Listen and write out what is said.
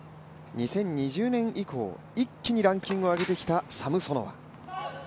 ２０２０年以降、一気にランキングを上げてきたサムソノワ。